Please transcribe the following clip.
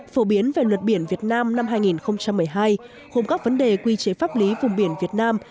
phổ biến về luật biển việt nam năm hai nghìn một mươi hai gồm các vấn đề quy chế pháp lý vùng biển việt nam